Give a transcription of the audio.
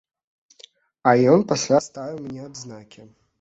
А ён пасля ставіў мне адзнакі.